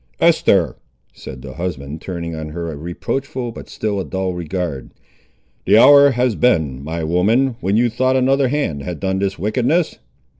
"Eest'er," said the husband, turning on her a reproachful but still a dull regard, "the hour has been, my woman, when you thought another hand had done this wickedness."